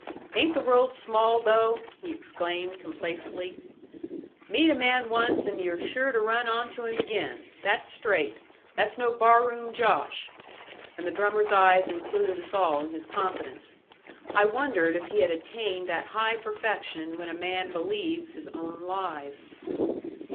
"Ain't the world small, though!" he exclaimed complacently. "Meet a man once and you're sure to run on to him again. That's straight. That's no bar room josh." And the drummer's eye included us all in his confidence. I wondered if he had attained that high perfection when a man believes his own lies.